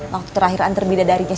waktu terakhiran terbeda dari siapa